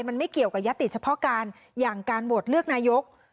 มันไม่เกี่ยวกับยติเฉพาะการอย่างการโหวตเลือกนายก